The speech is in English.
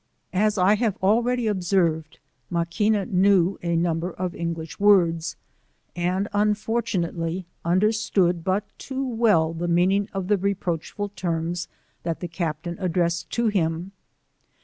As I have already observed, Maquina knew a number of English words, and unfortunately understood but too well the meaning of the reproachful terms that the Cap tain addressed to him.